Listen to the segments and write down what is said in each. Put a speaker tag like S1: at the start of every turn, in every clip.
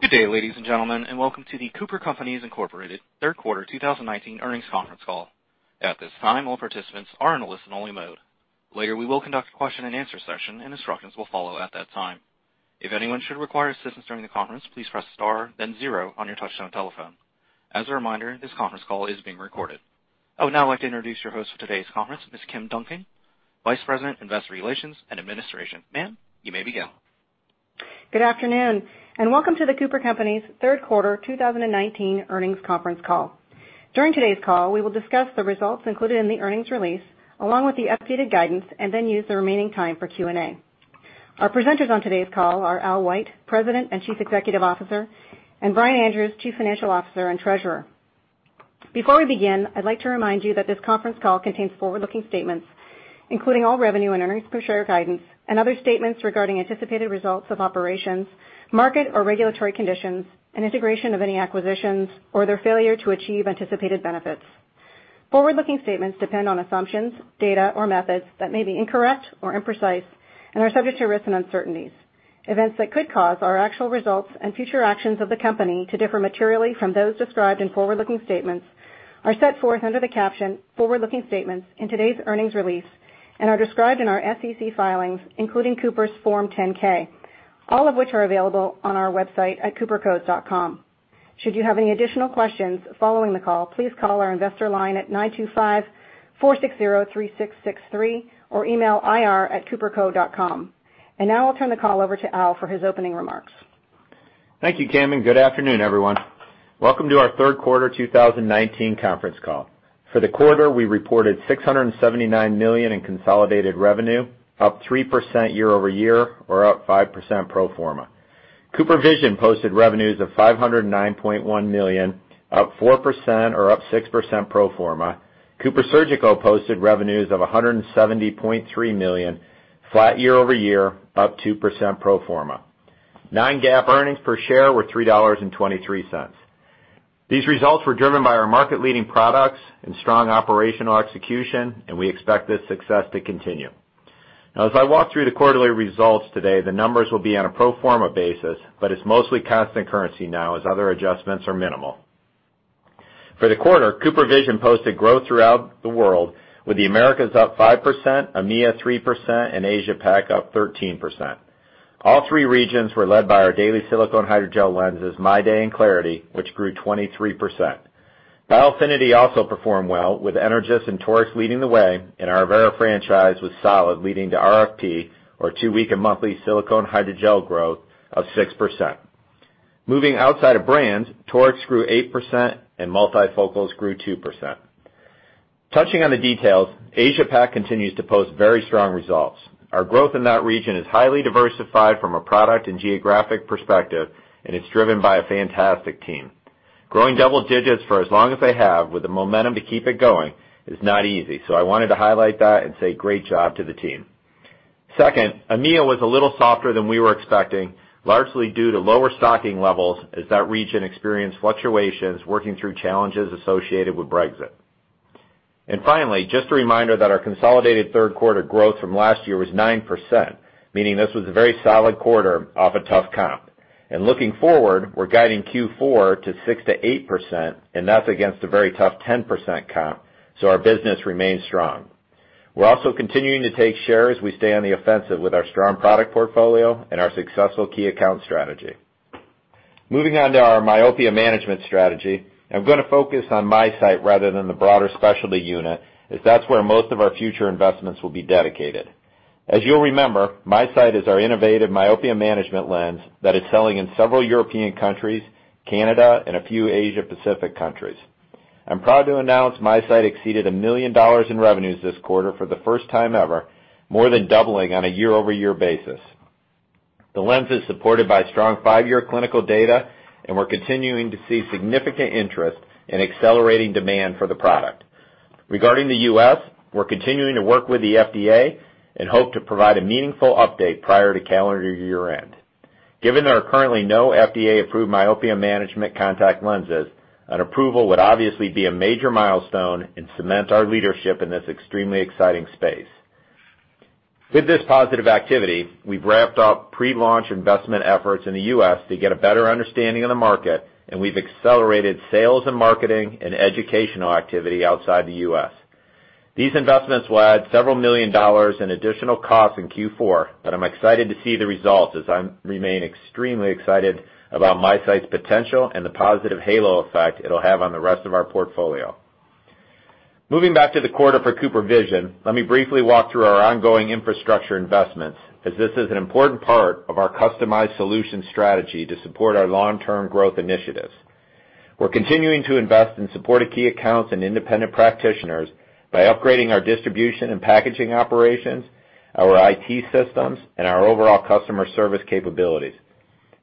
S1: Good day, ladies and gentlemen, and welcome to The Cooper Companies, Inc. Third Quarter 2019 Earnings Conference Call. At this time, all participants are in a listen-only mode. Later, we will conduct a question and answer session, and instructions will follow at that time. If anyone should require assistance during the conference, please press star then zero on your touchtone telephone. As a reminder, this conference call is being recorded. I would now like to introduce your host for today's conference, Ms. Kim Duncan, Vice President, Investor Relations and Administration. Ma'am, you may begin.
S2: Good afternoon, and welcome to The Cooper Companies Third Quarter 2019 Earnings Conference Call. During today's call, we will discuss the results included in the earnings release, along with the updated guidance, and then use the remaining time for Q&A. Our presenters on today's call are Al White, President and Chief Executive Officer, and Brian Andrews, Chief Financial Officer and Treasurer. Before we begin, I'd like to remind you that this conference call contains forward-looking statements, including all revenue and earnings per share guidance and other statements regarding anticipated results of operations, market or regulatory conditions, and integration of any acquisitions or their failure to achieve anticipated benefits. Forward-looking statements depend on assumptions, data, or methods that may be incorrect or imprecise and are subject to risks and uncertainties. Events that could cause our actual results and future actions of the company to differ materially from those described in forward-looking statements are set forth under the caption Forward-Looking Statements in today's earnings release and are described in our SEC filings, including Cooper's Form 10-K, all of which are available on our website at coopercos.com. Should you have any additional questions following the call, please call our investor line at 925-460-3663 or email ir@coopercos.com. Now I'll turn the call over to Al for his opening remarks.
S3: Thank you, Kim. Good afternoon, everyone. Welcome to our Third Quarter 2019 conference call. For the quarter, we reported $679 million in consolidated revenue, up 3% year-over-year or up 5% pro forma. CooperVision posted revenues of $509.1 million, up 4% or up 6% pro forma. CooperSurgical posted revenues of $170.3 million, flat year-over-year, up 2% pro forma. Non-GAAP earnings per share were $3.23. These results were driven by our market-leading products and strong operational execution. We expect this success to continue. As I walk through the quarterly results today, the numbers will be on a pro forma basis. It's mostly constant currency now as other adjustments are minimal. For the quarter, CooperVision posted growth throughout the world, with the Americas up 5%, EMEA 3%, and Asia-Pac up 13%. All three regions were led by our daily silicone hydrogel lenses, MyDay and clariti, which grew 23%. Biofinity also performed well, with Energys and Torics leading the way, and our Avaira franchise was solid, leading to FRP or two-week and monthly silicone hydrogel growth of 6%. Moving outside of brands, Torics grew 8% and multifocals grew 2%. Touching on the details, Asia-Pac continues to post very strong results. Our growth in that region is highly diversified from a product and geographic perspective, and it's driven by a fantastic team. Growing double digits for as long as they have with the momentum to keep it going is not easy. I wanted to highlight that and say great job to the team. Second, EMEA was a little softer than we were expecting, largely due to lower stocking levels as that region experienced fluctuations working through challenges associated with Brexit. Finally, just a reminder that our consolidated third quarter growth from last year was 9%, meaning this was a very solid quarter off a tough comp. Looking forward, we're guiding Q4 to 6%-8%, and that's against a very tough 10% comp. Our business remains strong. We're also continuing to take share as we stay on the offensive with our strong product portfolio and our successful key account strategy. Moving on to our myopia management strategy, I'm going to focus on MiSight rather than the broader specialty unit, as that's where most of our future investments will be dedicated. As you'll remember, MiSight is our innovative myopia management lens that is selling in several European countries, Canada, and a few Asia-Pacific countries. I'm proud to announce MiSight exceeded $1 million in revenues this quarter for the first time ever, more than doubling on a year-over-year basis. The lens is supported by strong five-year clinical data, and we're continuing to see significant interest in accelerating demand for the product. Regarding the U.S., we're continuing to work with the FDA and hope to provide a meaningful update prior to calendar year-end. Given there are currently no FDA-approved myopia management contact lenses, an approval would obviously be a major milestone and cement our leadership in this extremely exciting space. With this positive activity, we've ramped up pre-launch investment efforts in the U.S. to get a better understanding of the market, and we've accelerated sales and marketing and educational activity outside the U.S. These investments will add several million dollars in additional costs in Q4, but I'm excited to see the results as I remain extremely excited about MiSight's potential and the positive halo effect it'll have on the rest of our portfolio. Moving back to the quarter for CooperVision, let me briefly walk through our ongoing infrastructure investments as this is an important part of our customized solution strategy to support our long-term growth initiatives. We're continuing to invest in supported key accounts and independent practitioners by upgrading our distribution and packaging operations, our IT systems, and our overall customer service capabilities.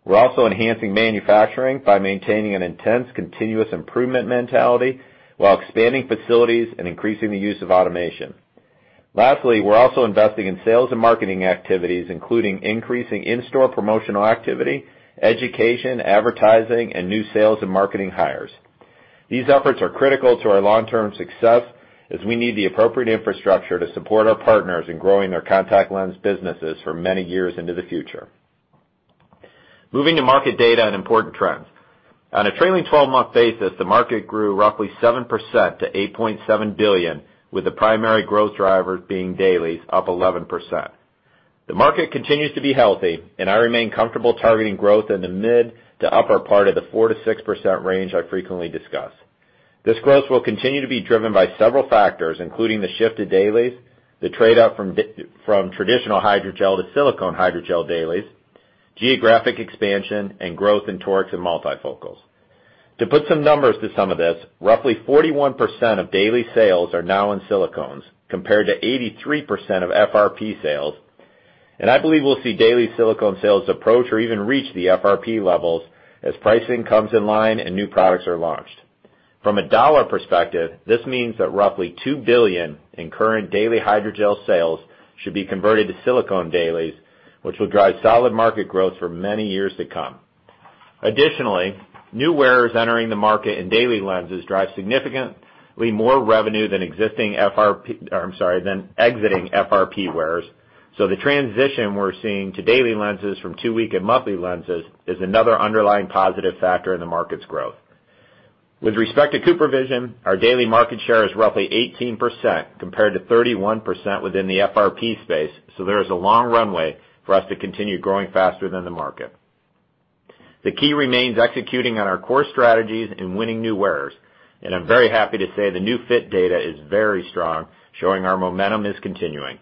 S3: We're also enhancing manufacturing by maintaining an intense continuous improvement mentality while expanding facilities and increasing the use of automation. Lastly, we're also investing in sales and marketing activities, including increasing in-store promotional activity, education, advertising, and new sales and marketing hires. These efforts are critical to our long-term success, as we need the appropriate infrastructure to support our partners in growing their contact lens businesses for many years into the future. Moving to market data and important trends. On a trailing 12-month basis, the market grew roughly 7% to $8.7 billion, with the primary growth driver being dailies, up 11%. The market continues to be healthy, and I remain comfortable targeting growth in the mid to upper part of the 4%-6% range I frequently discuss. This growth will continue to be driven by several factors, including the shift to dailies, the trade-up from traditional hydrogel to silicone hydrogel dailies, geographic expansion, and growth in torics and multifocals. To put some numbers to some of this, roughly 41% of daily sales are now in silicone, compared to 83% of FRP sales. I believe we'll see daily silicone sales approach or even reach the FRP levels as pricing comes in line and new products are launched. From a dollar perspective, this means that roughly $2 billion in current daily hydrogel sales should be converted to silicone dailies, which will drive solid market growth for many years to come. Additionally, new wearers entering the market in daily lenses drive significantly more revenue than exiting FRP wearers. The transition we're seeing to daily lenses from two-week and monthly lenses is another underlying positive factor in the market's growth. With respect to CooperVision, our daily market share is roughly 18%, compared to 31% within the FRP space, there is a long runway for us to continue growing faster than the market. The key remains executing on our core strategies and winning new wearers. I'm very happy to say the new fit data is very strong, showing our momentum is continuing.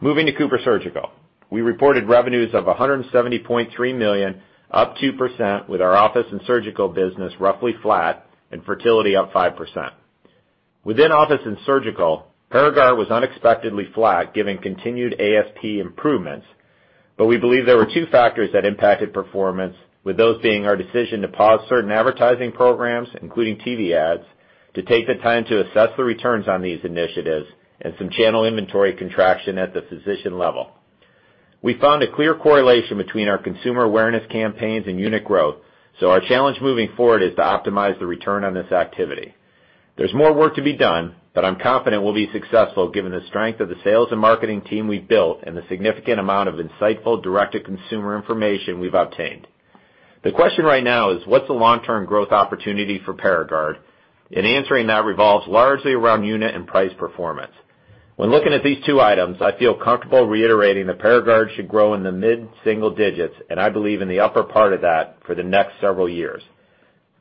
S3: Moving to CooperSurgical. We reported revenues of $170.3 million, up 2%, with our office and surgical business roughly flat and fertility up 5%. Within office and surgical, Paragard was unexpectedly flat given continued ASP improvements. We believe there were two factors that impacted performance, with those being our decision to pause certain advertising programs, including TV ads, to take the time to assess the returns on these initiatives and some channel inventory contraction at the physician level. We found a clear correlation between our consumer awareness campaigns and unit growth, so our challenge moving forward is to optimize the return on this activity. There's more work to be done, but I'm confident we'll be successful given the strength of the sales and marketing team we've built and the significant amount of insightful direct-to-consumer information we've obtained. The question right now is what's the long-term growth opportunity for Paragard? Answering that revolves largely around unit and price performance. When looking at these two items, I feel comfortable reiterating that Paragard should grow in the mid-single digits, and I believe in the upper part of that for the next several years.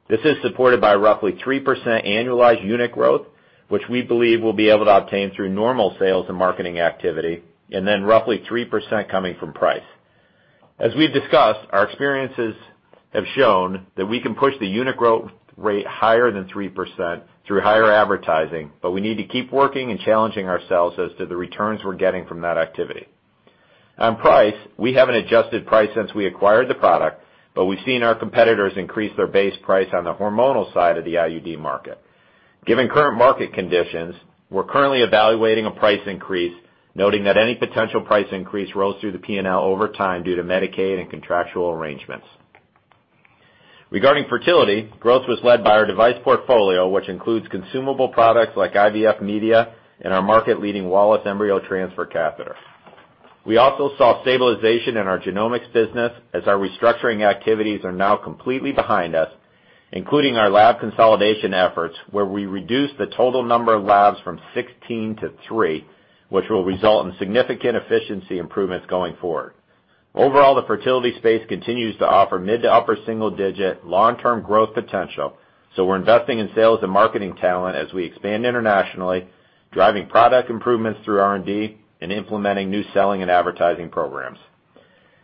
S3: This is supported by roughly 3% annualized unit growth, which we believe we'll be able to obtain through normal sales and marketing activity, then roughly 3% coming from price. As we've discussed, our experiences have shown that we can push the unit growth rate higher than 3% through higher advertising, but we need to keep working and challenging ourselves as to the returns we're getting from that activity. On price, we haven't adjusted price since we acquired the product, but we've seen our competitors increase their base price on the hormonal side of the IUD market. Given current market conditions, we're currently evaluating a price increase, noting that any potential price increase rolls through the P&L over time due to Medicaid and contractual arrangements. Regarding fertility, growth was led by our device portfolio, which includes consumable products like IVF media and our market-leading Wallace embryo transfer catheter. We also saw stabilization in our genomics business as our restructuring activities are now completely behind us, including our lab consolidation efforts, where we reduced the total number of labs from 16 to three, which will result in significant efficiency improvements going forward. Overall, the fertility space continues to offer mid to upper single digit long-term growth potential. We're investing in sales and marketing talent as we expand internationally, driving product improvements through R&D and implementing new selling and advertising programs.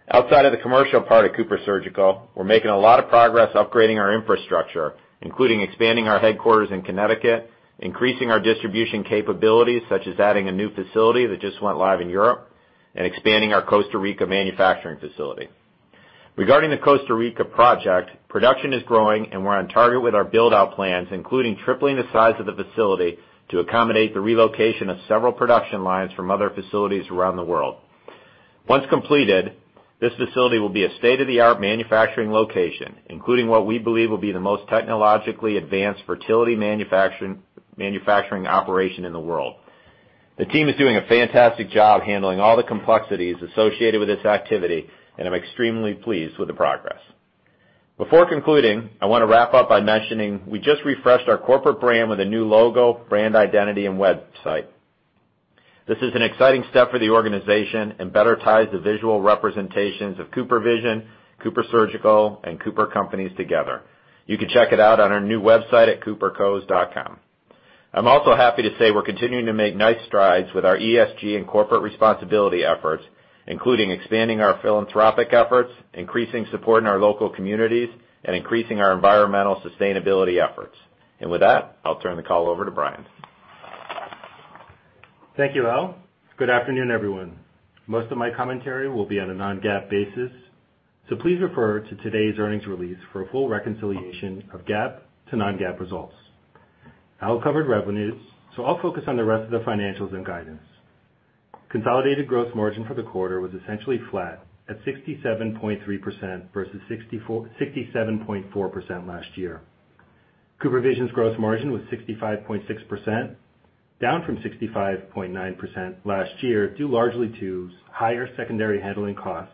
S3: Outside of the commercial part of CooperSurgical, we're making a lot of progress upgrading our infrastructure, including expanding our headquarters in Connecticut, increasing our distribution capabilities, such as adding a new facility that just went live in Europe, and expanding our Costa Rica manufacturing facility. Regarding the Costa Rica project, production is growing, we're on target with our build-out plans, including tripling the size of the facility to accommodate the relocation of several production lines from other facilities around the world. Once completed, this facility will be a state-of-the-art manufacturing location, including what we believe will be the most technologically advanced fertility manufacturing operation in the world. The team is doing a fantastic job handling all the complexities associated with this activity, I'm extremely pleased with the progress. Before concluding, I want to wrap up by mentioning we just refreshed our corporate brand with a new logo, brand identity, and website. This is an exciting step for the organization and better ties the visual representations of CooperVision, CooperSurgical, and Cooper Companies together. You can check it out on our new website at coopercos.com. I'm also happy to say we're continuing to make nice strides with our ESG and corporate responsibility efforts, including expanding our philanthropic efforts, increasing support in our local communities, and increasing our environmental sustainability efforts. With that, I'll turn the call over to Brian.
S4: Thank you, Al. Good afternoon, everyone. Most of my commentary will be on a non-GAAP basis, so please refer to today's earnings release for a full reconciliation of GAAP to non-GAAP results. Al covered revenues, so I'll focus on the rest of the financials and guidance. Consolidated gross margin for the quarter was essentially flat at 67.3% versus 67.4% last year. CooperVision's gross margin was 65.6%, down from 65.9% last year, due largely to higher secondary handling costs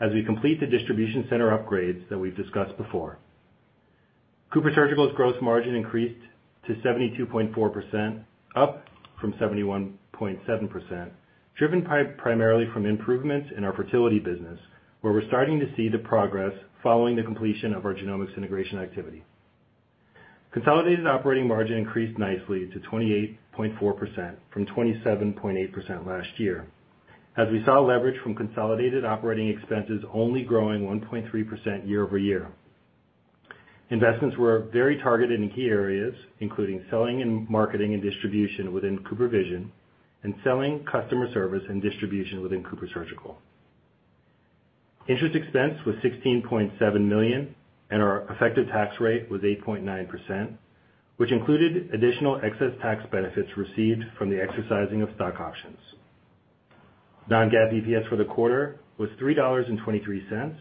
S4: as we complete the distribution center upgrades that we've discussed before. CooperSurgical's gross margin increased to 72.4%, up from 71.7%, driven primarily from improvements in our fertility business, where we're starting to see the progress following the completion of our genomics integration activity. Consolidated operating margin increased nicely to 28.4% from 27.8% last year, as we saw leverage from consolidated operating expenses only growing 1.3% year-over-year. Investments were very targeted in key areas, including selling and marketing and distribution within CooperVision, and selling customer service and distribution within CooperSurgical. Interest expense was $16.7 million and our effective tax rate was 8.9%, which included additional excess tax benefits received from the exercising of stock options. Non-GAAP EPS for the quarter was $3.23,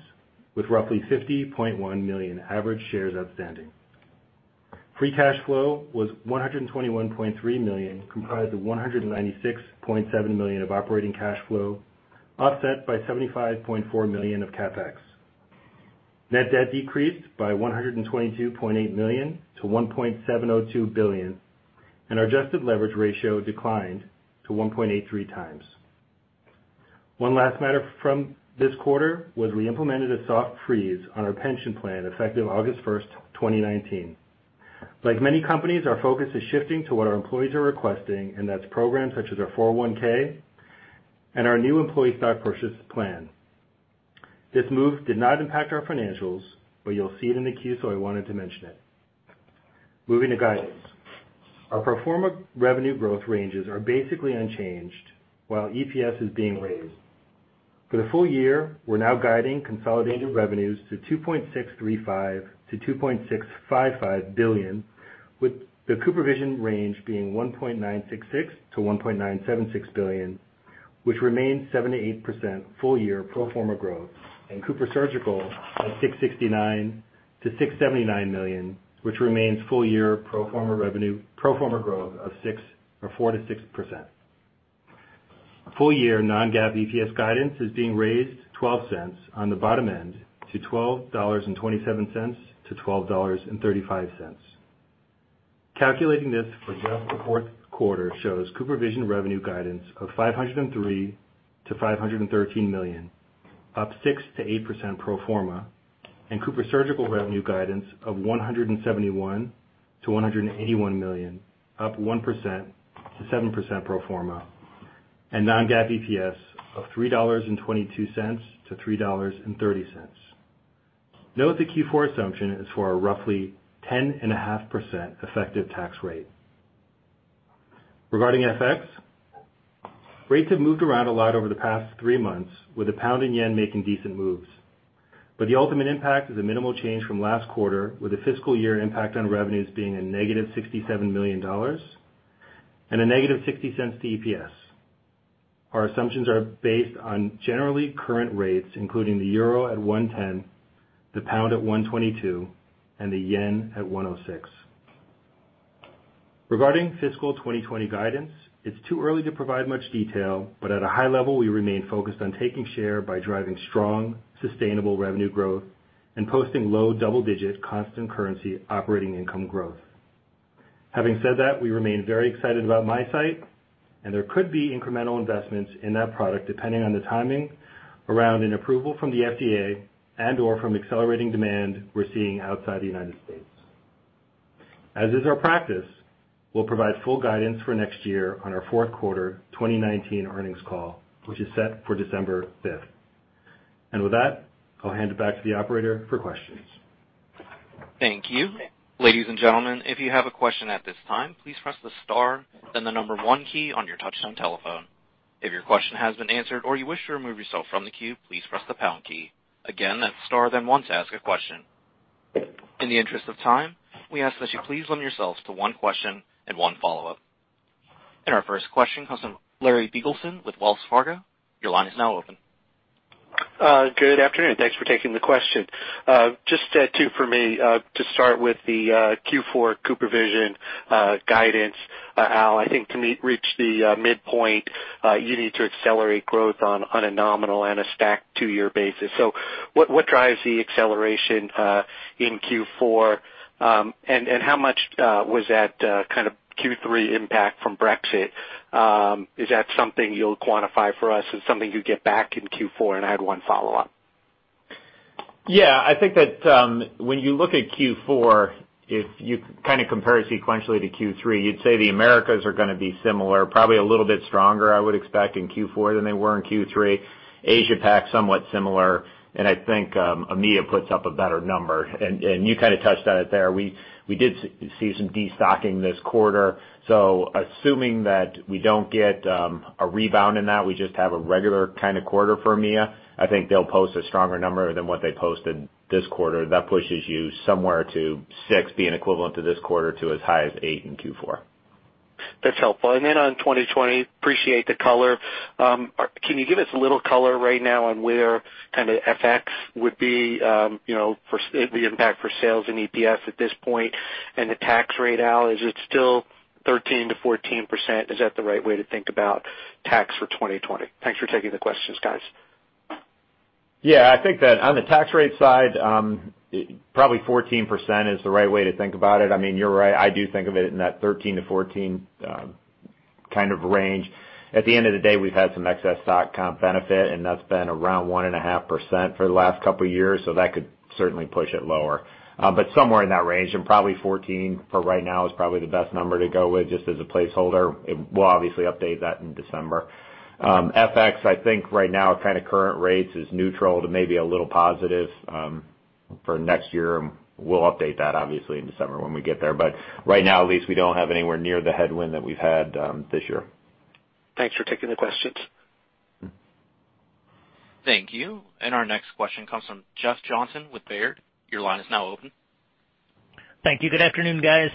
S4: with roughly 50.1 million average shares outstanding. Free cash flow was $121.3 million, comprised of $196.7 million of operating cash flow, offset by $75.4 million of CapEx. Net debt decreased by $122.8 million to $1.702 billion, and our adjusted leverage ratio declined to 1.83 times. One last matter from this quarter was we implemented a soft freeze on our pension plan effective August 1st, 2019. Like many companies, our focus is shifting to what our employees are requesting, and that's programs such as our 401 and our new employee stock purchase plan. This move did not impact our financials. You'll see it in the Q. I wanted to mention it. Moving to guidance. Our pro forma revenue growth ranges are basically unchanged while EPS is being raised. For the full year, we're now guiding consolidated revenues to $2.635 billion-$2.655 billion, with the CooperVision range being $1.966 billion-$1.976 billion, which remains 78% full year pro forma growth, and CooperSurgical at $669 million-$679 million, which remains full year pro forma growth of 4%-6%. Full year non-GAAP EPS guidance is being raised $0.12 on the bottom end to $12.27-$12.35. Calculating this for just the fourth quarter shows CooperVision revenue guidance of $503 million-$513 million, up 6%-8% pro forma, and CooperSurgical revenue guidance of $171 million-$181 million, up 1%-7% pro forma, and non-GAAP EPS of $3.22-$3.30. Note the Q4 assumption is for a roughly 10.5% effective tax rate. Regarding FX, rates have moved around a lot over the past three months, with the pound and yen making decent moves. The ultimate impact is a minimal change from last quarter, with the fiscal year impact on revenues being a negative $67 million and a negative $0.60 to EPS. Our assumptions are based on generally current rates, including the euro at 110, the pound at 122, and the yen at 106. Regarding fiscal 2020 guidance, it's too early to provide much detail, but at a high level, we remain focused on taking share by driving strong, sustainable revenue growth and posting low double-digit constant currency operating income growth. Having said that, we remain very excited about MiSight, and there could be incremental investments in that product, depending on the timing around an approval from the FDA and/or from accelerating demand we're seeing outside the United States. As is our practice, we'll provide full guidance for next year on our fourth quarter 2019 earnings call, which is set for December 5th. With that, I'll hand it back to the operator for questions.
S1: Thank you. Ladies and gentlemen, if you have a question at this time, please press the star, then the number 1 key on your touchtone telephone. If your question has been answered or you wish to remove yourself from the queue, please press the pound key. Again, that's star, then 1 to ask a question. In the interest of time, we ask that you please limit yourselves to one question and one follow-up. Our first question comes from Larry Biegelsen with Wells Fargo. Your line is now open.
S5: Good afternoon. Thanks for taking the question. Just two for me. To start with the Q4 CooperVision guidance. Al, I think to reach the midpoint, you need to accelerate growth on a nominal and a stack two-year basis. What drives the acceleration in Q4? How much was that Q3 impact from Brexit? Is that something you'll quantify for us as something you get back in Q4? I had one follow-up.
S3: Yeah, I think that when you look at Q4, if you compare it sequentially to Q3, you'd say the Americas are going to be similar, probably a little bit stronger, I would expect in Q4 than they were in Q3. Asia Pac, somewhat similar. I think EMEA puts up a better number. You kind of touched on it there. We did see some destocking this quarter. Assuming that we don't get a rebound in that, we just have a regular kind of quarter for EMEA, I think they'll post a stronger number than what they posted this quarter. That pushes you somewhere to 6% being equivalent to this quarter to as high as 8% in Q4.
S5: That's helpful. On 2020, appreciate the color. Can you give us a little color right now on where kind of FX would be, the impact for sales and EPS at this point, and the tax rate, Al, is it still 13%-14%? Is that the right way to think about tax for 2020? Thanks for taking the questions, guys.
S3: Yeah, I think that on the tax rate side, probably 14% is the right way to think about it. You're right, I do think of it in that 13%-14% kind of range. At the end of the day, we've had some excess stock comp benefit, and that's been around 1.5% for the last couple of years, so that could certainly push it lower. Somewhere in that range and probably 14% for right now is probably the best number to go with just as a placeholder. We'll obviously update that in December. FX, I think right now kind of current rates is neutral to maybe a little positive for next year. We'll update that obviously in December when we get there. Right now at least, we don't have anywhere near the headwind that we've had this year.
S5: Thanks for taking the questions.
S1: Thank you. Our next question comes from Jeff Johnson with Baird. Your line is now open.
S6: Thank you. Good afternoon, guys.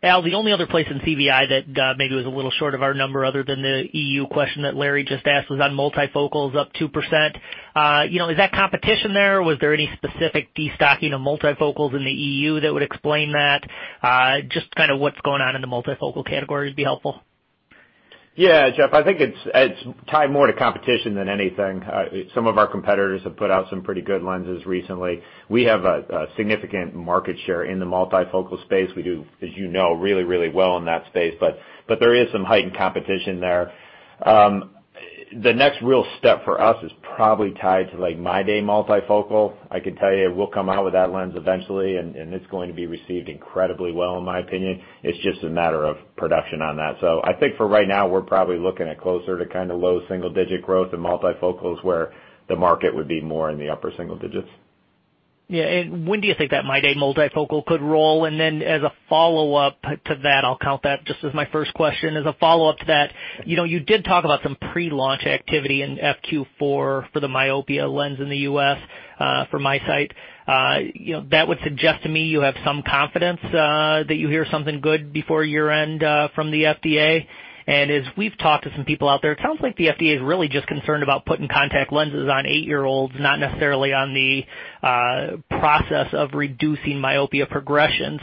S6: Al, the only other place in CVI that maybe was a little short of our number other than the EU question that Larry just asked was on multifocals up 2%. Is that competition there, or was there any specific destocking of multifocals in the EU that would explain that? Just kind of what's going on in the multifocal category would be helpful.
S3: Yeah, Jeff, I think it's tied more to competition than anything. Some of our competitors have put out some pretty good lenses recently. We have a significant market share in the multifocal space. We do, as you know, really well in that space, but there is some heightened competition there. The next real step for us is probably tied to MyDay multifocal. I can tell you we'll come out with that lens eventually, and it's going to be received incredibly well, in my opinion. It's just a matter of production on that. I think for right now, we're probably looking at closer to kind of low single-digit growth in multifocals, where the market would be more in the upper single-digits.
S6: When do you think that MyDay multifocal could roll? As a follow-up to that, I'll count that just as my first question, as a follow-up to that, you did talk about some pre-launch activity in Q4 for the myopia lens in the U.S. for MiSight. That would suggest to me you have some confidence that you hear something good before year-end from the FDA. As we've talked to some people out there, it sounds like the FDA is really just concerned about putting contact lenses on eight-year-olds, not necessarily on the process of reducing myopia progression.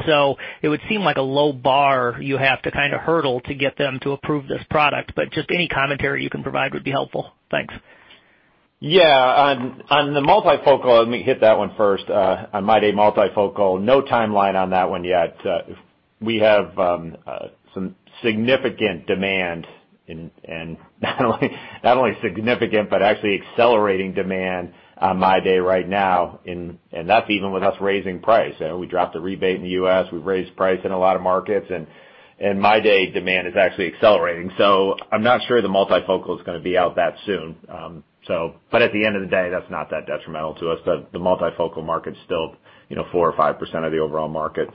S6: It would seem like a low bar you have to kind of hurdle to get them to approve this product. Just any commentary you can provide would be helpful. Thanks.
S3: Yeah. On the multifocal, let me hit that one first. On MyDay multifocal, no timeline on that one yet. We have some significant demand and not only significant but actually accelerating demand on MyDay right now, and that's even with us raising price. We dropped a rebate in the U.S., we've raised price in a lot of markets, and MyDay demand is actually accelerating. I'm not sure the multifocal is going to be out that soon. At the end of the day, that's not that detrimental to us. The multifocal market's still 4% or 5% of the overall market.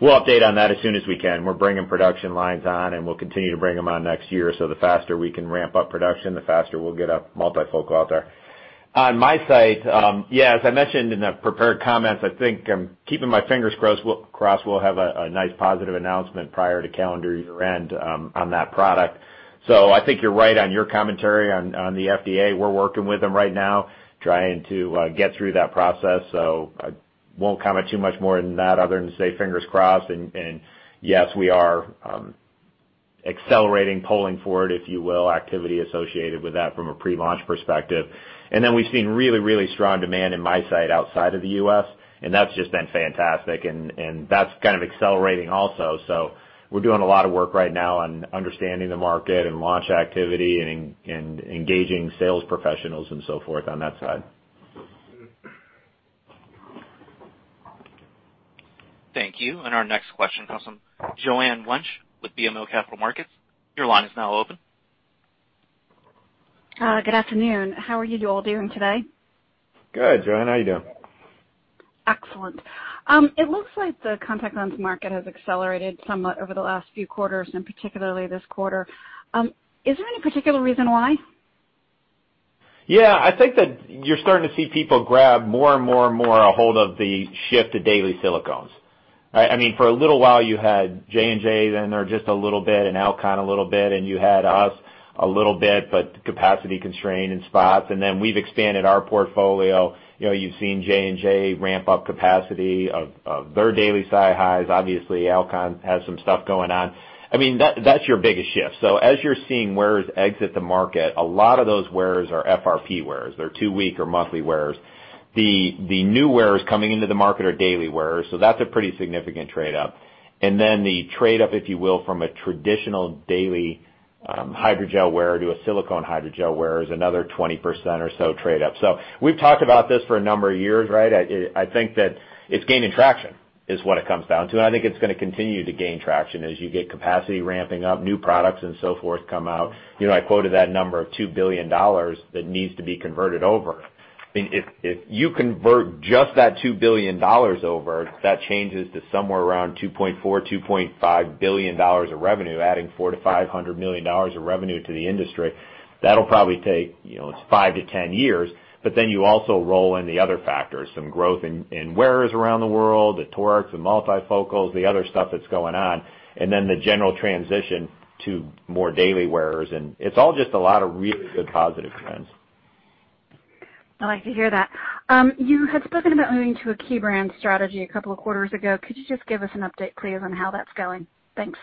S3: We'll update on that as soon as we can. We're bringing production lines on, and we'll continue to bring them on next year. The faster we can ramp up production, the faster we'll get a multifocal out there. On MiSight, yeah, as I mentioned in the prepared comments, I think I'm keeping my fingers crossed we'll have a nice positive announcement prior to calendar year-end on that product. I think you're right on your commentary on the FDA. We're working with them right now trying to get through that process. I won't comment too much more than that other than to say fingers crossed. Yes, we are accelerating, pulling forward, if you will, activity associated with that from a pre-launch perspective. We've seen really strong demand in MiSight outside of the U.S., and that's just been fantastic, and that's kind of accelerating also. We're doing a lot of work right now on understanding the market and launch activity and engaging sales professionals and so forth on that side.
S1: Thank you. Our next question comes from Joanne Wuensch with BMO Capital Markets. Your line is now open.
S7: Good afternoon. How are you all doing today?
S3: Good, Joanne. How are you doing?
S7: Excellent. It looks like the contact lens market has accelerated somewhat over the last few quarters and particularly this quarter. Is there any particular reason why?
S3: Yeah, I think that you're starting to see people grab more and more a hold of the shift to daily silicones. For a little while, you had J&J then there just a little bit and Alcon a little bit, and you had us a little bit, but capacity constrained in spots. Then we've expanded our portfolio. You've seen J&J ramp up capacity of their daily Si-Hys. Obviously, Alcon has some stuff going on. That's your biggest shift. As you're seeing wearers exit the market, a lot of those wearers are FRP wearers. They're two-week or monthly wearers. The new wearers coming into the market are daily wearers, so that's a pretty significant trade-up. Then the trade-up, if you will, from a traditional daily hydrogel wearer to a silicone hydrogel wearer is another 20% or so trade-up. We've talked about this for a number of years. I think that it's gaining traction is what it comes down to. I think it's going to continue to gain traction as you get capacity ramping up, new products and so forth come out. I quoted that number of $2 billion that needs to be converted over. If you convert just that $2 billion over, that changes to somewhere around $2.4 billion, $2.5 billion of revenue, adding $400 million to $500 million of revenue to the industry. That'll probably take five to 10 years. You also roll in the other factors, some growth in wearers around the world, the Torics, the multifocals, the other stuff that's going on, and the general transition to more daily wearers. It's all just a lot of really good positive trends.
S7: I like to hear that. You had spoken about moving to a key brand strategy a couple of quarters ago. Could you just give us an update, please, on how that's going? Thanks.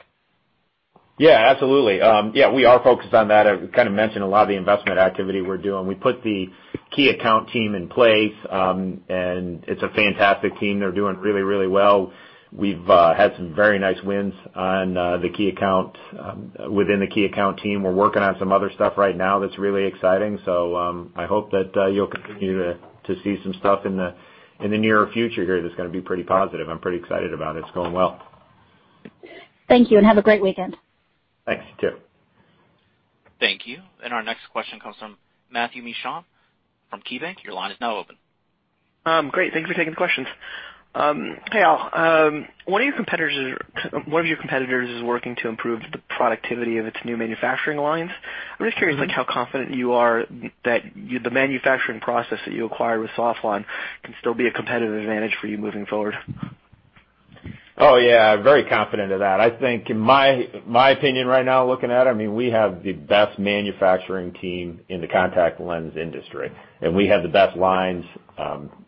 S3: Yeah, absolutely. We are focused on that. I kind of mentioned a lot of the investment activity we're doing. We put the key account team in place, and it's a fantastic team. They're doing really well. We've had some very nice wins on the key accounts within the key account team. We're working on some other stuff right now that's really exciting. I hope that you'll continue to see some stuff in the near future here that's going to be pretty positive. I'm pretty excited about it. It's going well.
S7: Thank you, and have a great weekend.
S3: Thanks. You too.
S1: Thank you. Our next question comes from Matthew Mishan from KeyBanc. Your line is now open.
S8: Great. Thanks for taking the questions. Hey, Al. One of your competitors is working to improve the productivity of its new manufacturing lines. I'm just curious how confident you are that the manufacturing process that you acquired with Sauflon can still be a competitive advantage for you moving forward.
S3: Oh, yeah. Very confident of that. I think in my opinion right now, looking at it, we have the best manufacturing team in the contact lens industry, and we have the best lines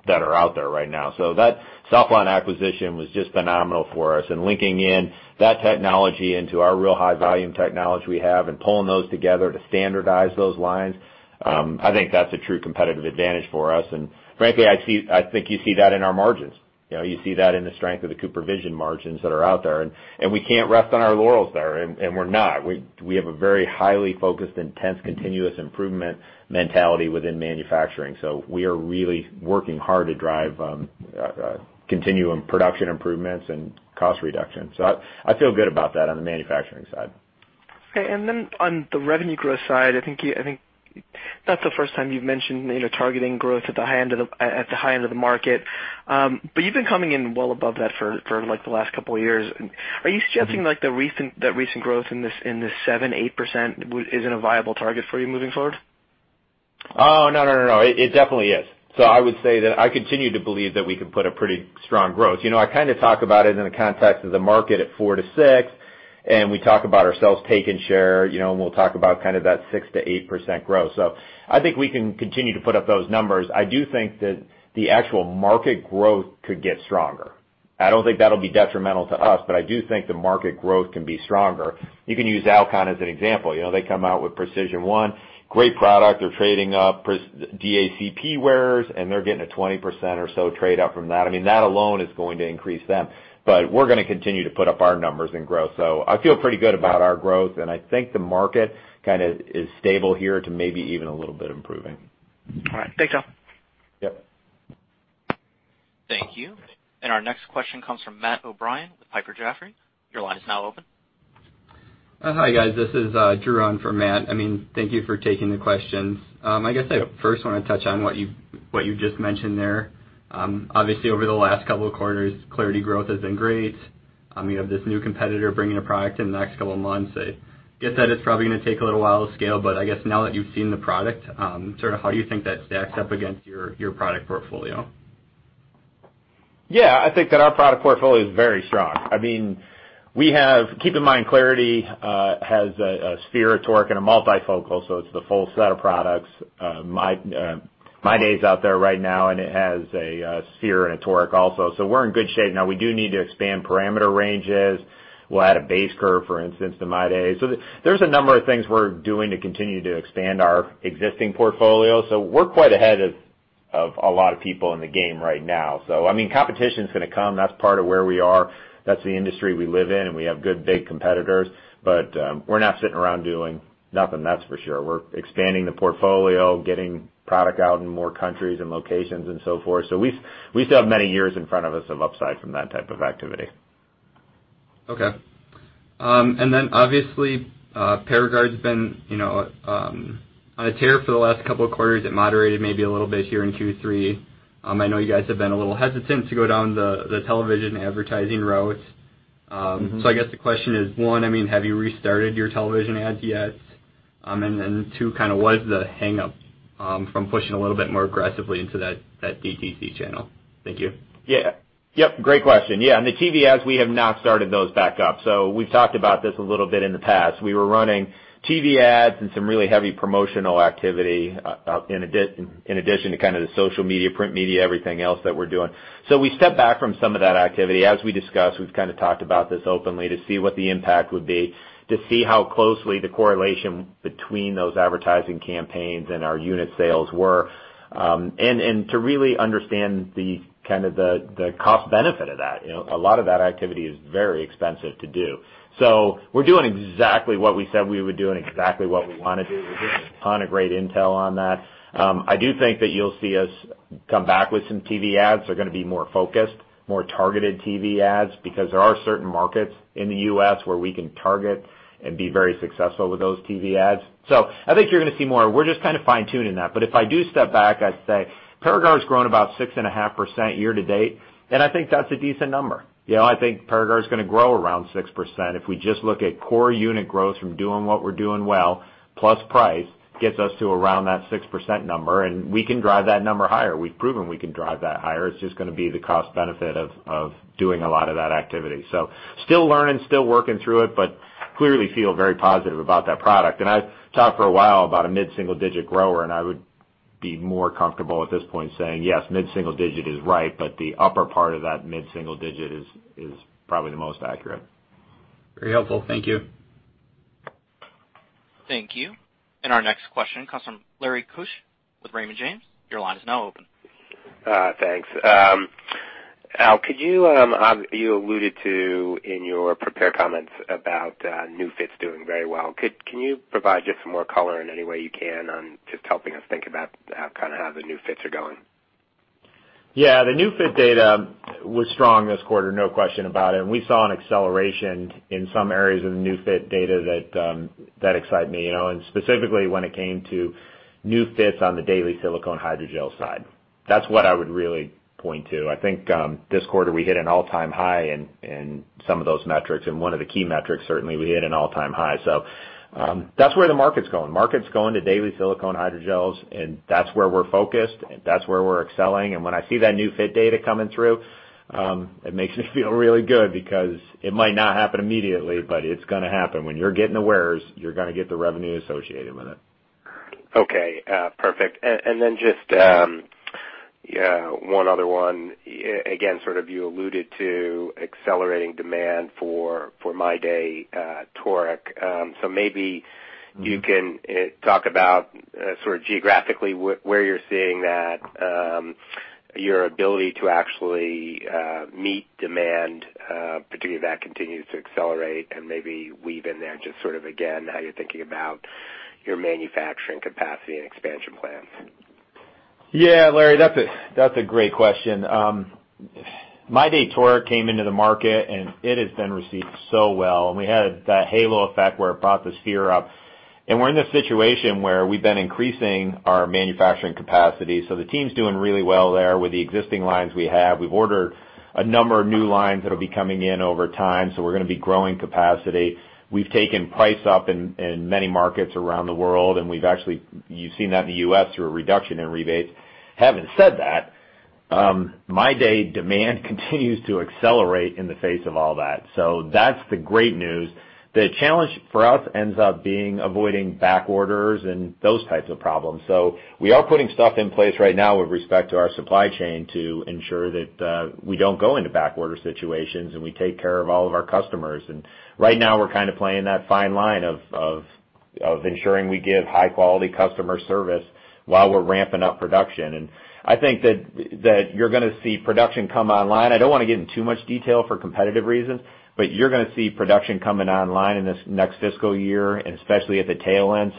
S3: that are out there right now. That Sauflon acquisition was just phenomenal for us, and linking in that technology into our real high volume technology we have and pulling those together to standardize those lines, I think that's a true competitive advantage for us. Frankly, I think you see that in our margins. You see that in the strength of the CooperVision margins that are out there, and we can't rest on our laurels there, and we're not. We have a very highly focused, intense, continuous improvement mentality within manufacturing. We are really working hard to drive continuum production improvements and cost reductions. I feel good about that on the manufacturing side.
S8: Okay. On the revenue growth side, I think that's the first time you've mentioned targeting growth at the high end of the market. But you've been coming in well above that for the last couple of years. Are you suggesting that recent growth in this 7%, 8% isn't a viable target for you moving forward?
S3: Oh, no. It definitely is. I would say that I continue to believe that we can put a pretty strong growth. I kind of talk about it in the context of the market at 4% to 6%, and we talk about ourselves taking share, and we'll talk about kind of that 6% to 8% growth. I think we can continue to put up those numbers. I do think that the actual market growth could get stronger. I don't think that'll be detrimental to us. I do think the market growth can be stronger. You can use Alcon as an example. They come out with Precision1, great product. They're trading up DAILIES ACP wearers. They're getting a 20% or so trade up from that. That alone is going to increase them. We're going to continue to put up our numbers in growth. I feel pretty good about our growth, and I think the market kind of is stable here to maybe even a little bit improving.
S8: All right. Thanks, Al.
S3: Yep.
S1: Thank you. Our next question comes from Matt O'Brien with Piper Jaffray. Your line is now open.
S9: Hi, guys. This is Drew on for Matt. Thank you for taking the questions. I guess I first want to touch on what you just mentioned there. Obviously, over the last couple of quarters, clariti growth has been great. You have this new competitor bringing a product in the next couple of months. I guess that it's probably going to take a little while to scale, but I guess now that you've seen the product, sort of how do you think that stacks up against your product portfolio?
S3: Yeah, I think that our product portfolio is very strong. Keep in mind, clariti has a sphere, a toric, and a multifocal, so it's the full set of products. MyDay's out there right now. It has a sphere and a toric also. We're in good shape. Now, we do need to expand parameter ranges. We'll add a base curve, for instance, to MyDay. There's a number of things we're doing to continue to expand our existing portfolio. We're quite ahead of a lot of people in the game right now. Competition's going to come. That's part of where we are. That's the industry we live in, and we have good, big competitors. We're not sitting around doing nothing, that's for sure. We're expanding the portfolio, getting product out in more countries and locations and so forth. We still have many years in front of us of upside from that type of activity.
S9: Okay. Obviously, Paragard's been on a tear for the last couple of quarters. It moderated maybe a little bit here in Q3. I know you guys have been a little hesitant to go down the television advertising route. I guess the question is, one, have you restarted your television ads yet? Two, kind of what is the hang up from pushing a little bit more aggressively into that DTC channel? Thank you.
S3: Yep, great question. Yeah, on the TV ads, we have not started those back up. We've talked about this a little bit in the past. We were running TV ads and some really heavy promotional activity in addition to kind of the social media, print media, everything else that we're doing. We stepped back from some of that activity. As we discussed, we've kind of talked about this openly to see what the impact would be, to see how closely the correlation between those advertising campaigns and our unit sales were, and to really understand the kind of the cost benefit of that. A lot of that activity is very expensive to do. We're doing exactly what we said we would do and exactly what we want to do. We're getting a ton of great intel on that. I do think that you'll see us come back with some TV ads. They're going to be more focused, more targeted TV ads, because there are certain markets in the U.S. where we can target and be very successful with those TV ads. I think you're going to see more. We're just kind of fine-tuning that. If I do step back, I'd say Paragard's grown about 6.5% year to date, and I think that's a decent number. I think Paragard's going to grow around 6%. If we just look at core unit growth from doing what we're doing well, plus price, gets us to around that 6% number, and we can drive that number higher. We've proven we can drive that higher. It's just going to be the cost benefit of doing a lot of that activity. Still learning, still working through it, but clearly feel very positive about that product. I've talked for a while about a mid-single digit grower, I would be more comfortable at this point saying, yes, mid-single digit is right, but the upper part of that mid-single digit is probably the most accurate.
S9: Very helpful. Thank you.
S1: Thank you. Our next question comes from Lawrence Keusch with Raymond James. Your line is now open.
S10: Thanks. Al, you alluded to in your prepared comments about new fits doing very well. Can you provide just some more color in any way you can on just helping us think about kind of how the new fits are going?
S3: Yeah. The new fit data was strong this quarter, no question about it. We saw an acceleration in some areas of the new fit data that excite me. Specifically when it came to new fits on the daily silicone hydrogel side. That's what I would really point to. I think, this quarter, we hit an all-time high in some of those metrics, and one of the key metrics, certainly, we hit an all-time high. That's where the market's going. Market's going to daily silicone hydrogels, and that's where we're focused, and that's where we're excelling. When I see that new fit data coming through, it makes me feel really good because it might not happen immediately, but it's going to happen. When you're getting the wearers, you're going to get the revenue associated with it.
S10: Okay, perfect. Just, one other one. Sort of you alluded to accelerating demand for MyDay toric. Maybe you can talk about sort of geographically where you're seeing that, your ability to actually meet demand, particularly if that continues to accelerate, and maybe weave in there just sort of, again, how you're thinking about your manufacturing capacity and expansion plans.
S3: Yeah, Larry, that's a great question. MyDay toric came into the market, it has been received so well, and we had that halo effect where it brought the sphere up. We're in this situation where we've been increasing our manufacturing capacity. The team's doing really well there with the existing lines we have. We've ordered a number of new lines that'll be coming in over time, we're going to be growing capacity. We've taken price up in many markets around the world, we've actually you've seen that in the U.S. through a reduction in rebates. Having said that, MyDay demand continues to accelerate in the face of all that's the great news. The challenge for us ends up being avoiding back orders and those types of problems. We are putting stuff in place right now with respect to our supply chain to ensure that we don't go into back order situations, and we take care of all of our customers. Right now, we're kind of playing that fine line of ensuring we give high quality customer service while we're ramping up production. I think that you're going to see production come online. I don't want to get in too much detail for competitive reasons, but you're going to see production coming online in this next fiscal year and especially at the tail end.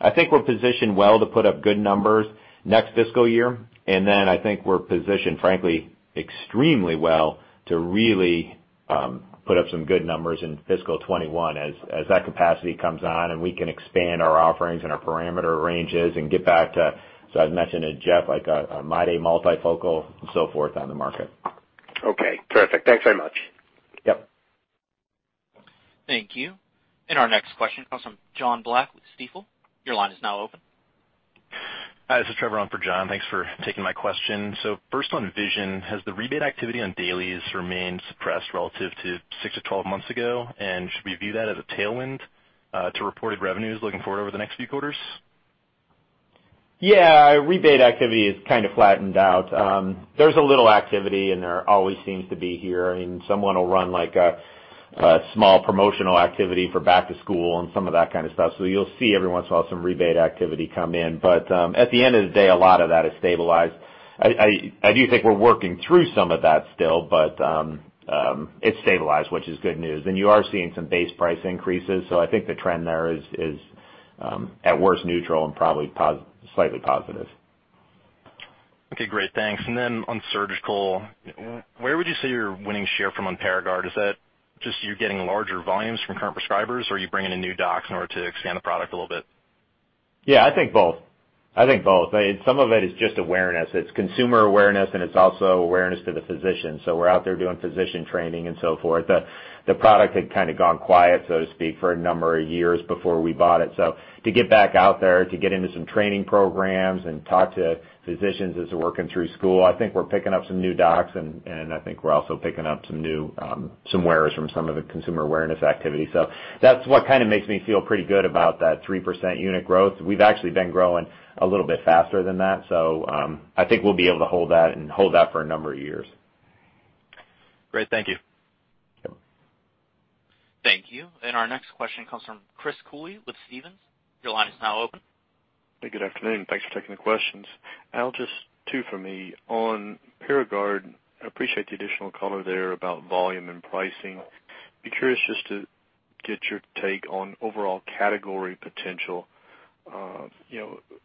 S3: I think we're positioned well to put up good numbers next fiscal year. I think we're positioned, frankly, extremely well to really put up some good numbers in fiscal 2021 as that capacity comes on and we can expand our offerings and our parameter ranges and get back to, as I mentioned to Jeff, like a MyDay multifocal and so forth on the market.
S10: Okay, perfect. Thanks very much.
S3: Yep.
S1: Thank you. Our next question comes from John Block with Stifel. Your line is now open.
S11: Hi, this is Trevor on for John. Thanks for taking my question. First on vision, has the rebate activity on dailies remained suppressed relative to 6 to 12 months ago? Should we view that as a tailwind to reported revenues looking forward over the next few quarters?
S3: Yeah, rebate activity has kind of flattened out. There's a little activity. There always seems to be here. Someone will run, like, a small promotional activity for back to school and some of that kind of stuff. You'll see every once in a while some rebate activity come in. At the end of the day, a lot of that is stabilized. I do think we're working through some of that still, but it's stabilized, which is good news. You are seeing some base price increases. I think the trend there is at worse neutral and probably slightly positive.
S11: Okay, great. Thanks. On surgical, where would you say you're winning share from on Paragard? Is that just you're getting larger volumes from current prescribers, or are you bringing in new docs in order to expand the product a little bit?
S3: Yeah, I think both. Some of it is just awareness. It's consumer awareness, and it's also awareness to the physician. We're out there doing physician training and so forth. The product had kind of gone quiet, so to speak, for a number of years before we bought it. To get back out there, to get into some training programs and talk to physicians as they're working through school, I think we're picking up some new docs, and I think we're also picking up some wearers from some of the consumer awareness activity. That's what kind of makes me feel pretty good about that 3% unit growth. We've actually been growing a little bit faster than that, so I think we'll be able to hold that and hold that for a number of years.
S11: Great. Thank you.
S3: Yep.
S1: Thank you. Our next question comes from Chris Cooley with Stephens. Your line is now open.
S12: Hey, good afternoon. Thanks for taking the questions. Al, just two from me. On Paragard, I appreciate the additional color there about volume and pricing. Be curious just to get your take on overall category potential.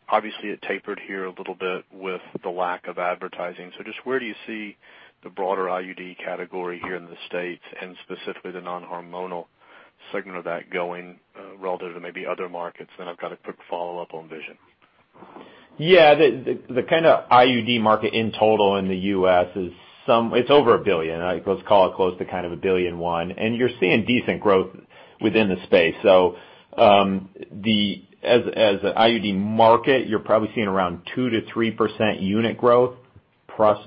S12: Obviously, it tapered here a little bit with the lack of advertising. Just where do you see the broader IUD category here in the States, and specifically the non-hormonal segment of that going, relative to maybe other markets? I've got a quick follow-up on vision.
S3: The kind of IUD market in total in the U.S., it's over $1 billion. Let's call it close to kind of $1 billion and one. You're seeing decent growth within the space. As an IUD market, you're probably seeing around 2%-3% unit growth plus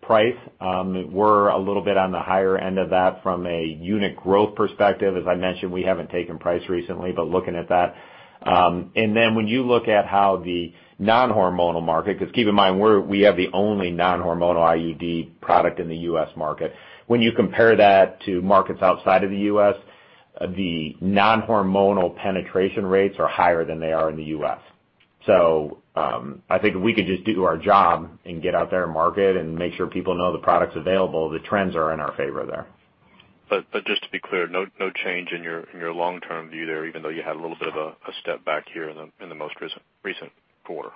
S3: price. We're a little bit on the higher end of that from a unit growth perspective. As I mentioned, we haven't taken price recently, but looking at that. When you look at how the non-hormonal market, because keep in mind, we have the only non-hormonal IUD product in the U.S. market. When you compare that to markets outside of the U.S., the non-hormonal penetration rates are higher than they are in the U.S. I think if we could just do our job and get out there and market and make sure people know the product's available, the trends are in our favor there.
S12: Just to be clear, no change in your long-term view there, even though you had a little bit of a step back here in the most recent quarter?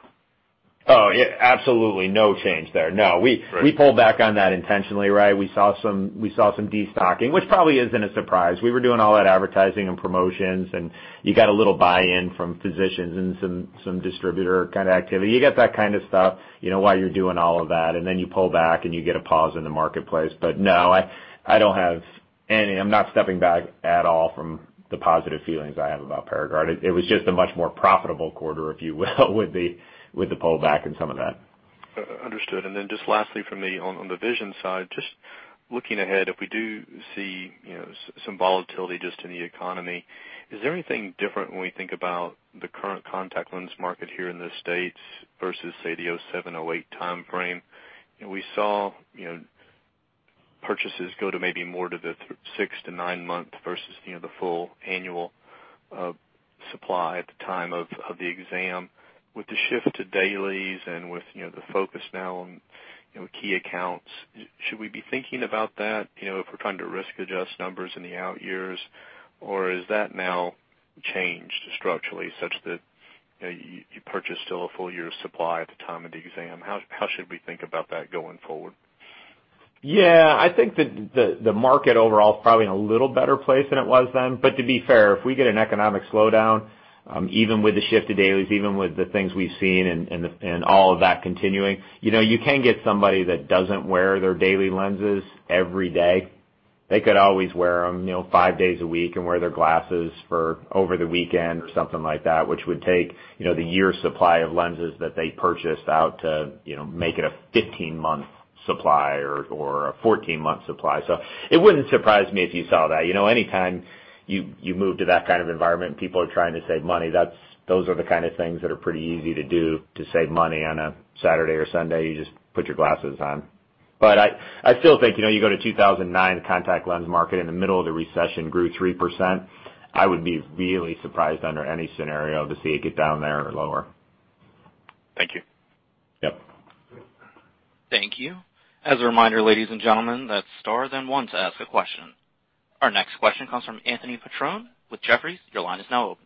S3: Oh, yeah. Absolutely no change there. No.
S12: Great.
S3: We pulled back on that intentionally, right? We saw some de-stocking, which probably isn't a surprise. We were doing all that advertising and promotions, and you got a little buy-in from physicians and some distributor kind of activity. You get that kind of stuff while you're doing all of that, and then you pull back, and you get a pause in the marketplace. No, I'm not stepping back at all from the positive feelings I have about Paragard. It was just a much more profitable quarter, if you will, with the pullback and some of that.
S12: Understood. Just lastly from me on the vision side, just looking ahead, if we do see some volatility just in the economy, is there anything different when we think about the current contact lens market here in the U.S. versus, say, the 2007, 2008 timeframe? We saw purchases go to maybe more to the six to nine-month versus the full annual supply at the time of the exam. With the shift to dailies and with the focus now on key accounts, should we be thinking about that if we're trying to risk adjust numbers in the out years or has that now changed structurally, such that you purchase still a full year of supply at the time of the exam? How should we think about that going forward?
S3: Yeah. I think that the market overall is probably in a little better place than it was then. To be fair, if we get an economic slowdown, even with the shift to dailies, even with the things we've seen and all of that continuing, you can get somebody that doesn't wear their daily lenses every day. They could always wear them five days a week and wear their glasses for over the weekend or something like that, which would take the year supply of lenses that they purchased out to make it a 15-month supply or a 14-month supply. It wouldn't surprise me if you saw that. Any time you move to that kind of environment and people are trying to save money, those are the kind of things that are pretty easy to do to save money on a Saturday or Sunday. You just put your glasses on. I still think you go to 2009, the contact lens market in the middle of the recession grew 3%. I would be really surprised under any scenario to see it get down there or lower.
S12: Thank you.
S3: Yep.
S1: Thank you. As a reminder, ladies and gentlemen, that's star then one to ask a question. Our next question comes from Anthony Petrone with Jefferies. Your line is now open.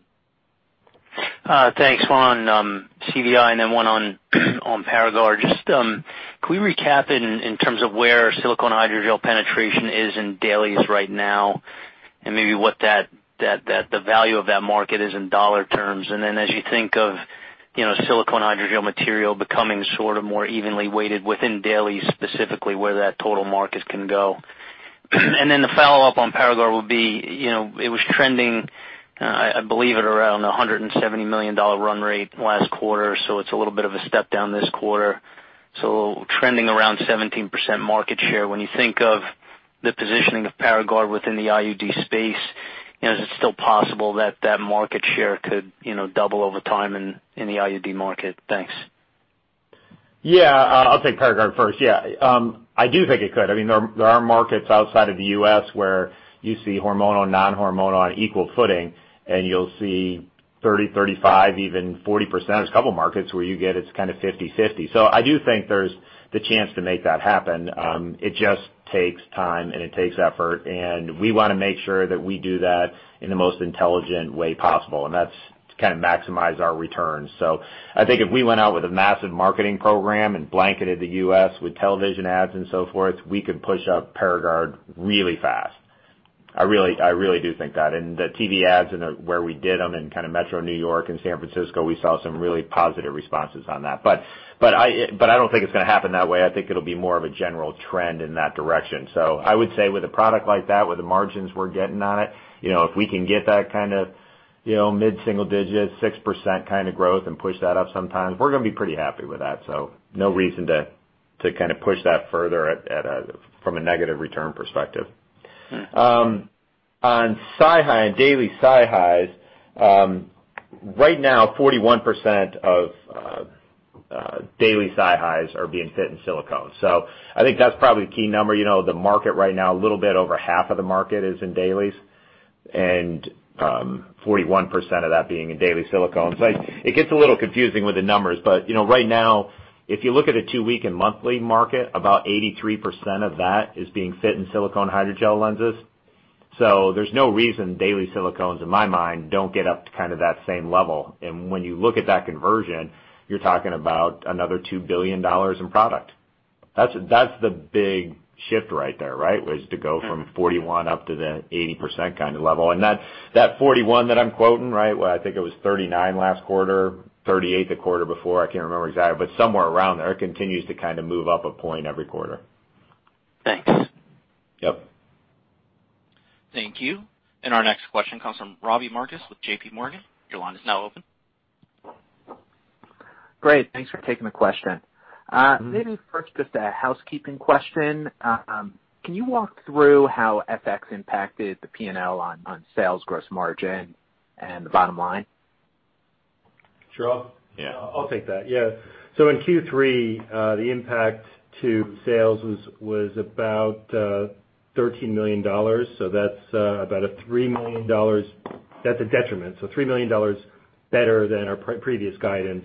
S13: Thanks. One on CVI and one on Paragard. Just can we recap in terms of where silicone hydrogel penetration is in dailies right now and maybe what the value of that market is in dollar terms, and then as you think of silicone hydrogel material becoming sort of more evenly weighted within dailies specifically where that total market can go? The follow-up on Paragard will be, it was trending, I believe, at around $170 million run rate last quarter. It's a little bit of a step down this quarter. Trending around 17% market share. When you think of the positioning of Paragard within the IUD space, is it still possible that that market share could double over time in the IUD market? Thanks.
S3: Yeah. I'll take Paragard first. Yeah, I do think it could. There are markets outside of the U.S. where you see hormonal and non-hormonal on equal footing, and you'll see 30%, 35%, even 40%. There's a couple of markets where you get it's kind of 50/50. I do think there's the chance to make that happen. It just takes time and it takes effort, and we want to make sure that we do that in the most intelligent way possible, and that's to kind of maximize our returns. I think if we went out with a massive marketing program and blanketed the U.S. with television ads and so forth, we could push up Paragard really fast. I really do think that. The TV ads and where we did them in kind of Metro New York and San Francisco, we saw some really positive responses on that. I don't think it's going to happen that way. I think it'll be more of a general trend in that direction. I would say with a product like that, with the margins we're getting on it, if we can get that kind of mid-single digit, 6% kind of growth and push that up sometimes, we're going to be pretty happy with that. No reason to kind of push that further from a negative return perspective. On daily Si-Hys, right now, 41% of daily Si-Hys are being fit in silicone. I think that's probably the key number. The market right now, a little bit over half of the market is in dailies, and 41% of that being in daily silicone. It gets a little confusing with the numbers. Right now if you look at a two-week and monthly market, about 83% of that is being fit in silicone hydrogel lenses. There's no reason daily silicones, in my mind, don't get up to kind of that same level. When you look at that conversion, you're talking about another $2 billion in product. That's the big shift right there, right? Was to go from 41 up to the 80% kind of level. That 41 that I'm quoting, right, where I think it was 39 last quarter, 38 the quarter before, I can't remember exactly, but somewhere around there. It continues to kind of move up a point every quarter.
S13: Thanks.
S3: Yep.
S1: Thank you. Our next question comes from Robbie Marcus with JPMorgan. Your line is now open.
S14: Great. Thanks for taking the question. Maybe first just a housekeeping question. Can you walk through how FX impacted the P&L on sales gross margin and the bottom line?
S4: Sure.
S14: Yeah.
S3: I'll take that. Yeah. In Q3, the impact to sales was about $13 million. That's a detriment. $3 million better than our previous guidance.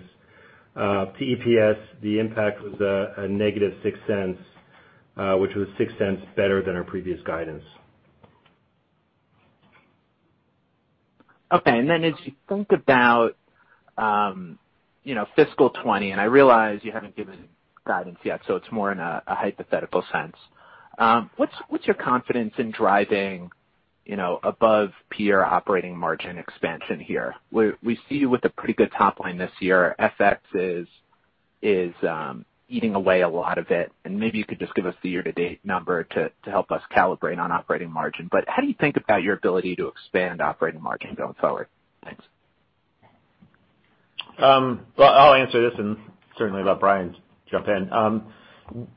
S3: To EPS, the impact was a negative $0.06, which was $0.06 better than our previous guidance.
S14: Okay. Then as you think about fiscal 2020, I realize you haven't given guidance yet, so it's more in a hypothetical sense. What's your confidence in driving above peer operating margin expansion here? We see you with a pretty good top line this year. FX is eating away a lot of it, and maybe you could just give us the year-to-date number to help us calibrate on operating margin. How do you think about your ability to expand operating margin going forward? Thanks.
S3: Well, I'll answer this and certainly let Brian jump in.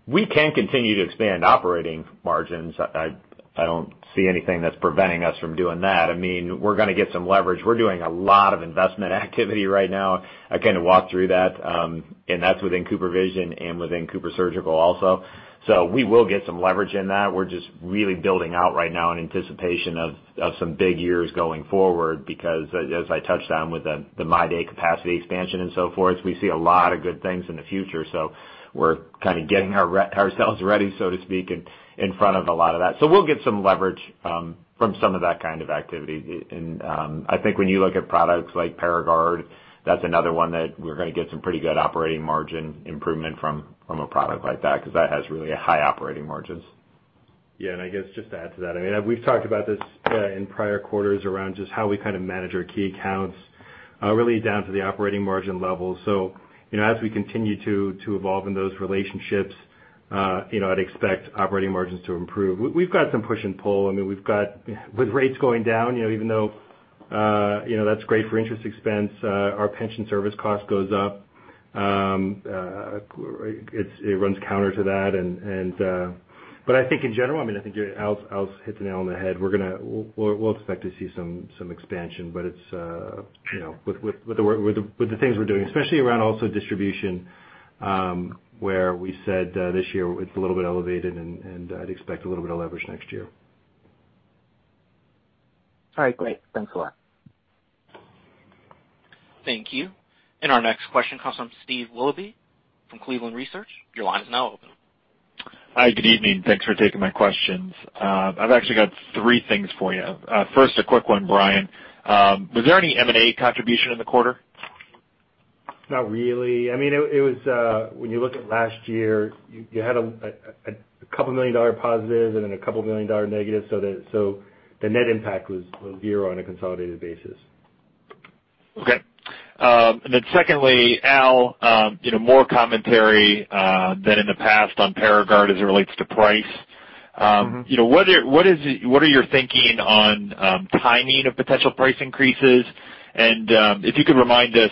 S3: We can continue to expand operating margins. I don't see anything that's preventing us from doing that. We're going to get some leverage. We're doing a lot of investment activity right now. I kind of walked through that, and that's within CooperVision and within CooperSurgical also. We will get some leverage in that. We're just really building out right now in anticipation of some big years going forward because, as I touched on with the MiSight capacity expansion and so forth, we see a lot of good things in the future. We're kind of getting ourselves ready, so to speak, in front of a lot of that. We'll get some leverage from some of that kind of activity.
S4: I think when you look at products like Paragard, that's another one that we're going to get some pretty good operating margin improvement from a product like that, because that has really high operating margins. I guess just to add to that, we've talked about this in prior quarters around just how we kind of manage our key accounts really down to the operating margin level. As we continue to evolve in those relationships, I'd expect operating margins to improve. We've got some push and pull. With rates going down, even though that's great for interest expense, our pension service cost goes up. It runs counter to that. I think in general, Al's hit the nail on the head.
S3: We'll expect to see some expansion, but with the things we're doing, especially around also distribution, where we said this year it's a little bit elevated, and I'd expect a little bit of leverage next year.
S14: All right, great. Thanks a lot.
S1: Thank you. Our next question comes from Steve Willoughby from Cleveland Research. Your line is now open.
S15: Hi, good evening. Thanks for taking my questions. I've actually got three things for you. First, a quick one, Brian. Was there any M&A contribution in the quarter?
S4: Not really. When you look at last year, you had a couple million dollar positive and then a couple million dollar negative, so the net impact was zero on a consolidated basis.
S15: Okay. Secondly, Al, more commentary than in the past on Paragard as it relates to price. What are you thinking on timing of potential price increases? If you could remind us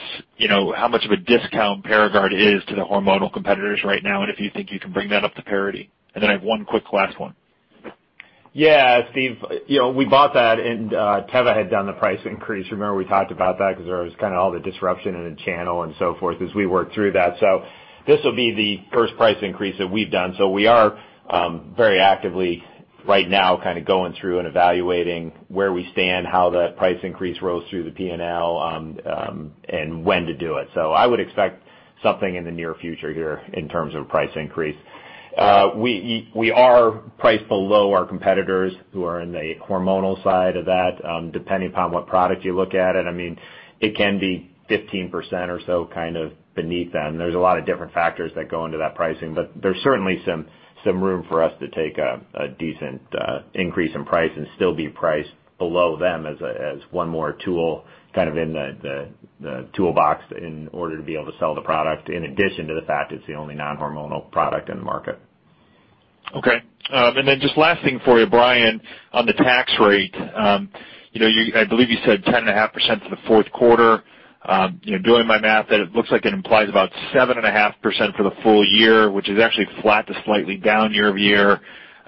S15: how much of a discount PARAGARD is to the hormonal competitors right now, and if you think you can bring that up to parity. I have one quick last one.
S3: Yeah, Steve, Teva had done the price increase. Remember we talked about that because there was kind of all the disruption in the channel and so forth as we worked through that. This will be the first price increase that we've done. We are very actively, right now, kind of going through and evaluating where we stand, how the price increase rolls through the P&L, and when to do it. I would expect something in the near future here in terms of a price increase. We are priced below our competitors who are in the hormonal side of that, depending upon what product you look at it. It can be 15% or so kind of beneath them. There's a lot of different factors that go into that pricing, but there's certainly some room for us to take a decent increase in price and still be priced below them as one more tool kind of in the toolbox in order to be able to sell the product, in addition to the fact it's the only non-hormonal product in the market.
S15: Okay. Just last thing for you, Brian, on the tax rate. I believe you said 10.5% for the fourth quarter. Doing my math, that it looks like it implies about 7.5% for the full year, which is actually flat to slightly down year-over-year.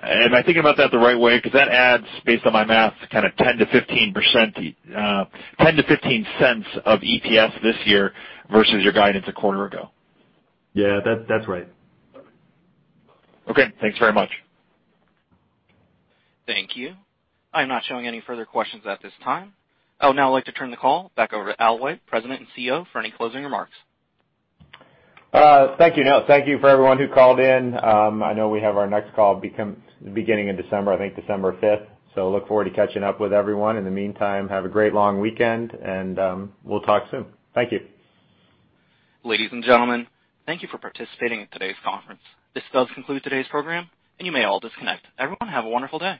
S15: Am I thinking about that the right way? That adds, based on my math, kind of $0.10-$0.15 of EPS this year versus your guidance a quarter ago.
S4: Yeah, that's right.
S15: Okay. Thanks very much.
S1: Thank you. I am not showing any further questions at this time. I would now like to turn the call back over to Albert White, President and CEO, for any closing remarks.
S3: Thank you. Thank you for everyone who called in. I know we have our next call beginning in December, I think December 5th. Look forward to catching up with everyone. In the meantime, have a great long weekend, and we'll talk soon. Thank you.
S1: Ladies and gentlemen, thank you for participating in today's conference. This does conclude today's program, and you may all disconnect. Everyone, have a wonderful day.